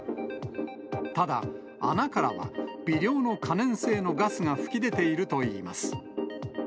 ただ、穴からは、微量の可燃性のガスが噴き出ているといいます。